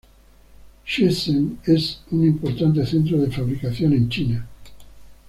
Shenzhen es un importante centro de fabricación en China.